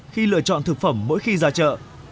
khi lựa chọn thực phẩm mỗi khi ra chợ